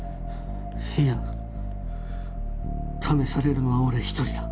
いや試されるのは俺一人だ。